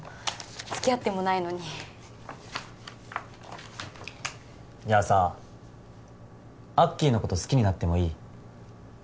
つきあってもないのにじゃあさアッキーのこと好きになってもいい？